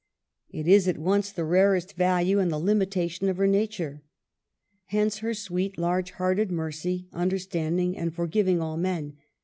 It is at once the rarest value and the hmitation of her nature. Hence her sweet, large hearted mercy, under standing and forgiving all men.